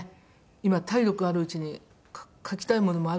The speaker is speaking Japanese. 今体力あるうちに書きたいものもあるので。